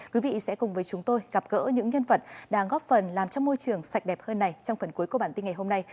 quý vị sẽ cùng với chúng tôi gặp gỡ những nhân vật đang góp phần làm cho môi trường sạch đẹp hơn này trong phần cuối của bản tin ngày hôm nay